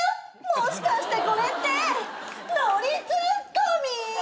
もしかしてこれって。ノリツッコミ！？